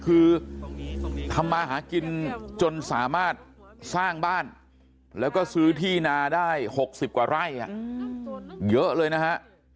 คือทำมาหากินจนสามารถสร้างบ้านแล้วก็ซื้อที่นาได้๖๐กว่าไร่เยอะเลยนะฮะ